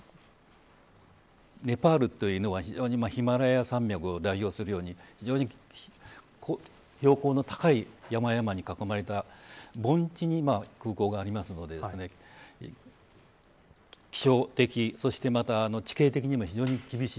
ネパールというのは、非常にヒマラヤ山脈を代表するように非常に標高の高い山々に囲まれた盆地に空港があるので気象的、そしてまた地形的にも非常に厳しい。